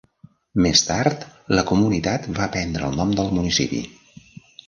Més tard, la comunitat va prendre el nom del municipi.